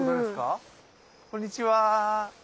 あこんにちは。